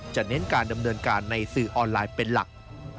เน้นการดำเนินการในสื่อออนไลน์เป็นหลัก